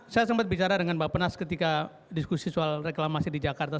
saya sempat bicara dengan bapak penas ketika diskusi soal reklamasi di jakarta